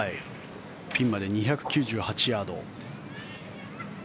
ピンまで２９８ヤード。